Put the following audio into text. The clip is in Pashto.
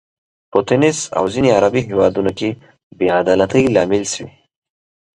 په تونس او ځینو عربي هیوادونو کې بې عدالتۍ لامل شوي.